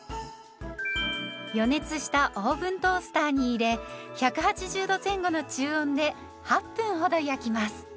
予熱したオーブントースターに入れ１８０度前後の中温で８分ほど焼きます。